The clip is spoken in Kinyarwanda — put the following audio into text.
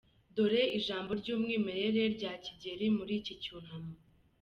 Dore ijambo ry’umwimerere rya Kigeli muri iki cyunamo